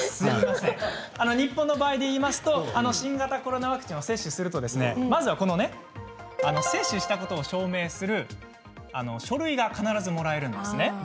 日本の場合でいいますと新型コロナワクチンを接種すると接種したことを証明する書類が必ずもらえるんです。